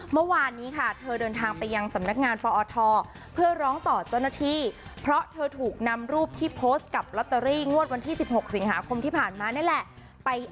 เมื่อวานนี้ค่ะเธอเดินทางไปยังสำนักงานปอทเพื่อร้องต่อเจ้าหน้าที่